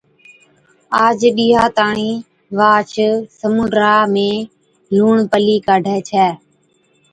آج ڏِيها تاڻِين واهچ سمُنڊا ۾ لُوڻ پلِي ڪاڍَي ڇَي۔